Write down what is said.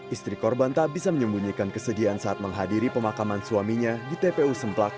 istri korban tak bisa menyembunyikan kesedihan saat menghadiri pemakaman suaminya di tpu semplak